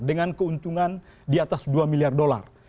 dengan keuntungan di atas dua miliar dolar